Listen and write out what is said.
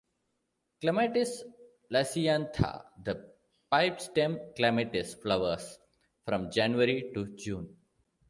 "Clematis lasiantha", the pipestem clematis, flowers from January to June.